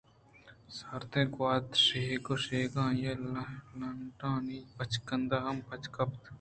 سارتیں گوٛات ءِ شیکّ شیکّ ءَ آئی ءِ لنٹانی بچکند ہم پچ گپت